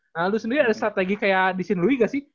nah lo sendiri ada strategi kayak di shen louis gak sih